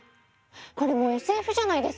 これもうＳＦじゃないですか！